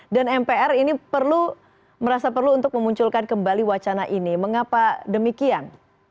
dan mpr ini merasa perlu untuk memunculkan kembali wacana ini mengapa demikian